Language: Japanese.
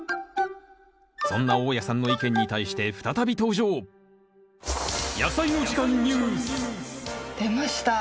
そんな大家さんの意見に対して再び登場出ました。